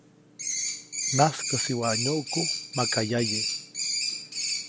-Najskäsi waʼa nyuʼku maka yaye.-